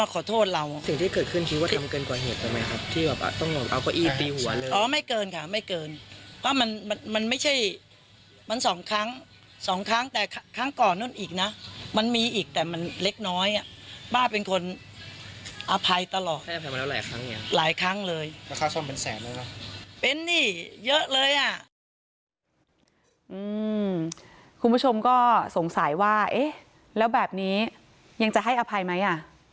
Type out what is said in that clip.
คุณผู้ชมก็สงสัยว่าเอ๊ะแล้วแบบนี้ยังจะให้อภัยไหม